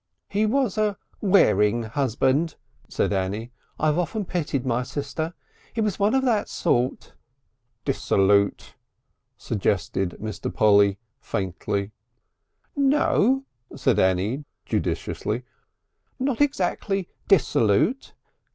"He was a wearing husband," said Annie. "I've often pitied my sister. He was one of that sort " "Dissolute?" suggested Mr. Polly faintly. "No," said Annie judiciously; "not exactly dissolute.